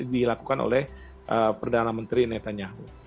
dilakukan oleh perdana menteri netanyahu